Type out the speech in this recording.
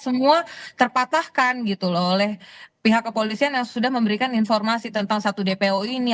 semua terpatahkan gitu loh oleh pihak kepolisian yang sudah memberikan informasi tentang satu dpo ini